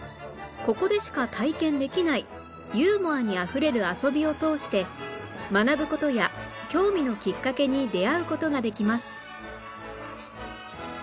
ここでしか体験できないユーモアにあふれる遊びを通して学ぶ事や興味のきっかけに出会う事ができます